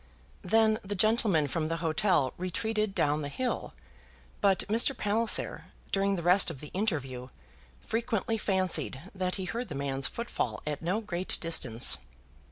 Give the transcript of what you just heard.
Then the gentleman from the hotel retreated down the hill, but Mr. Palliser, during the rest of the interview, frequently fancied that he heard the man's footfall at no great distance.